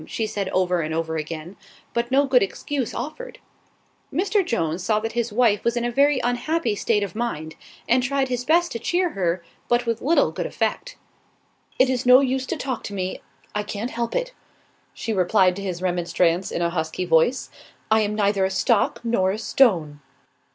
she said over and over again; but no good excuse offered. Mr. Jones saw that his wife was in a very unhappy state of mind, and tried his best to cheer her, but with little good effect. "It is no use to talk to me, I can't help it," she replied to his remonstrance, in a husky voice. "I am neither a stock nor a stone."